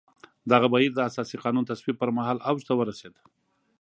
دغه بهیر د اساسي قانون تصویب پر مهال اوج ته ورسېد.